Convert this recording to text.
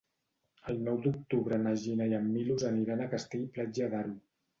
El nou d'octubre na Gina i en Milos aniran a Castell-Platja d'Aro.